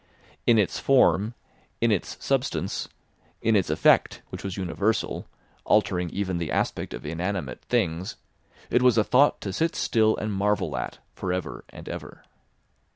In its form, in its substance, in its effect, which was universal, altering even the aspect of inanimate things, it was a thought to sit still and marvel at for ever and ever.